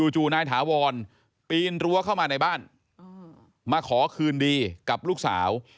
จู่นายถาวรปีนรั้วเข้ามาในบ้านมาขอคืนดีกับลูกสาว